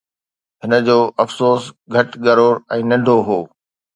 هن جو افسوس گهٽ ڳرو ۽ ننڍو هو